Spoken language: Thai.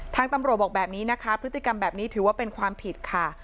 ทางตำรวจบอกแบบนี้นะคะพฤติกรรมแบบนี้ถือว่าเป็นความผิดค่ะ